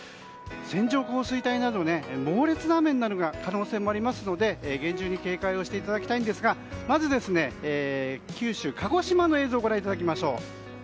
線状降水帯など猛烈な雨になる可能性もありますので厳重に警戒していただきたいんですがまず、九州鹿児島の映像をご覧ください。